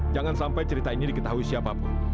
jangan sampai cerita ini diketahui siapapun